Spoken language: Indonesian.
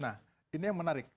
nah ini yang menarik